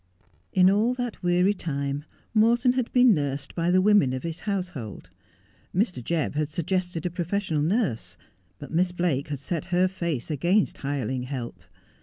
In all that weary time Morton had been nursed by the women of his household. Mr. Jebb had suggested a professional nurse, but Miss Blake had set her face against hireling help.